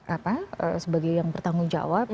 apa sebagai yang bertanggung jawab